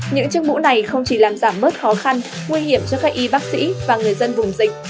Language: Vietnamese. những chiếc mũ này không chỉ làm giảm bớt khó khăn nguy hiểm cho các y bác sĩ và người dân vùng dịch